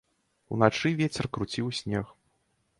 Уначы вецер круціў снег.